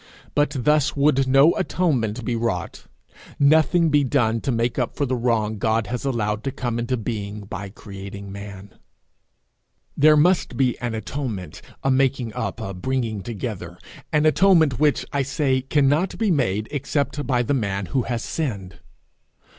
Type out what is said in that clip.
But thus would no atonement be wrought nothing be done to make up for the wrong God has allowed to come into being by creating man. There must be an atonement, a making up, a bringing together an atonement which, I say, cannot be made except by the man who has sinned.